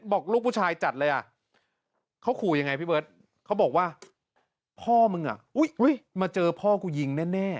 บอกลูกผู้ชายจัดเลยอ่ะเขาขู่ยังไงพี่เบิร์ตเขาบอกว่าพ่อมึงอ่ะมาเจอพ่อกูยิงแน่